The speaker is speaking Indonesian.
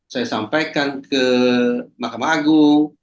saya sampaikan ke mahkamah agung